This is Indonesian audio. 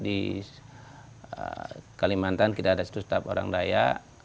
di kalimantan kita ada satu staf orang raya